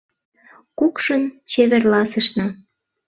Кукшын чеверласышна.